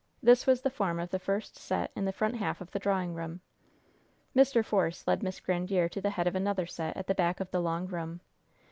This was the form of the first set in the front half of the drawing room. Mr. Force led Miss Grandiere to the head of another set at the back of the long room.